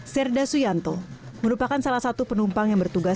serda suyanto merupakan salah satu penumpang yang bertugas